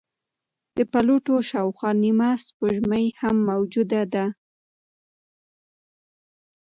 د پلوټو شاوخوا نیمه سپوږمۍ هم موجوده ده.